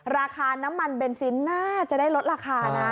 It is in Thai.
ราคาน้ำมันเบนซินน่าจะได้ลดราคานะ